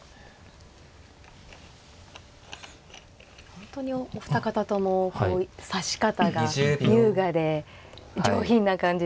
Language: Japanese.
本当にお二方とも指し方が優雅で上品な感じで。